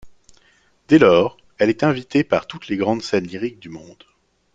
Dès lors, elle est invitée par toutes les grandes scènes lyriques du monde.